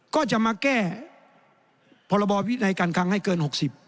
ก็จะมาแก้พรบวินัยการคังให้เกิน๖๐